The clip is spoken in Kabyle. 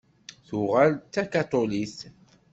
Tuɣal d takaṭulit.